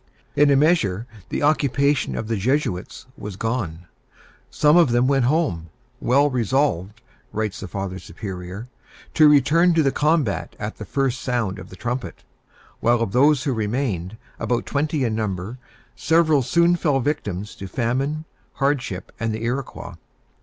In a measure, the occupation of the Jesuits was gone. Some of them went home, "well resolved," writes the Father Superior, "to return to the combat at the first sound of the trumpet;" while of those who remained, about twenty in number, several soon fell victims to famine, hardship, and the Iroquois.